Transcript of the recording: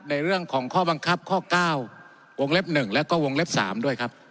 ในเรื่องของข้อบังคับข้อ๙วงเล็บ๑แล้วก็วงเล็บ๓ด้วยครับ